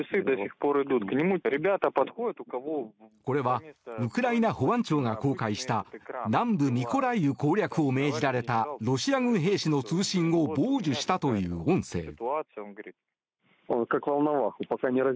これはウクライナ保安庁が公開した南部ミコライウ攻略を命じられたロシア軍兵士の通信を傍受したという音声。